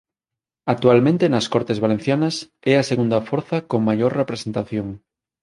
Actualmente nas Cortes Valencianas é a segunda forza con maior representación.